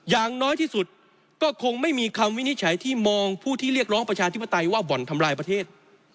อย่างน้อยที่สุดก็คงไม่มีคำวินิจฉัยที่มองผู้ที่เรียกร้องประชาธิปไตยว่าบ่อนทำลายประเทศ